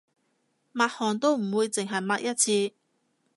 抹汗都唔會淨係抹一次